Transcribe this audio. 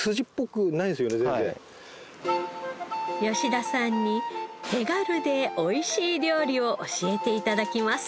田さんに手軽でおいしい料理を教えて頂きます。